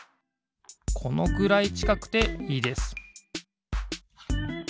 このくらいちかくていいです